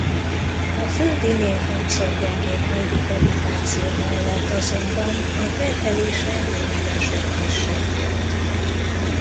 A földinél hatszor gyengébb holdi gravitáció mellett azonban a terhelése lényegesen kisebb volt.